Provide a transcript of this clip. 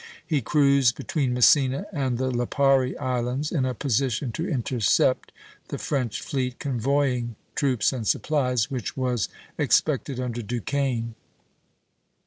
He cruised between Messina and the Lipari Islands in a position to intercept the French fleet convoying troops and supplies, which was expected under Duquesne.